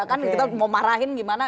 kan kita mau marahin gimana